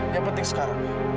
yang penting sekarang